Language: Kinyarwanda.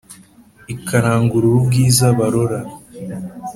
Ikarangurura ubwiza barora